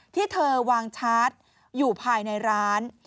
ที่เธอวางชาร์จอยู่ภายในร้าน